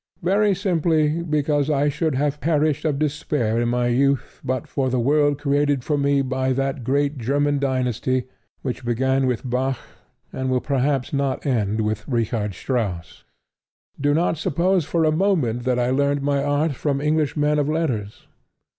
Very simply because I should have perished of despair in my youth but for the world created for me by that great German dynasty which began with Bach and will perhaps not end with Richard Strauss. Do not suppose for a moment that I learnt my art from English men of letters.